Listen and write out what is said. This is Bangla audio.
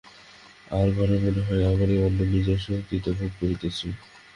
আর, ঘরে মনে হয়, আমারই অন্ন আমি নিজের শক্তিতে ভোগ করিতেছি।